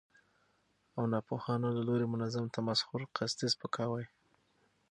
او ناپوهانو له لوري منظم تمسخر، قصدي سپکاوي،